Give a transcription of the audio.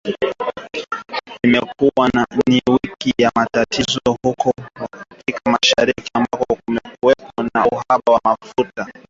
Imekuwa ni wiki ya matatizo huko Afrika Mashariki, ambako kumekuwepo na uhaba wa mafuta na mfumuko wa bei za bidhaa kwa wanunuzi